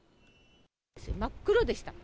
真っ黒でした。